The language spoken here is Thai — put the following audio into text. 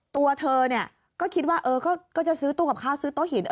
ตัวเธอเนี่ยก็คิดว่าก็จะซื้อตู้กับข้าวซื้อโต๊ะหิน